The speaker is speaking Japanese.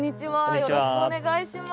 よろしくお願いします。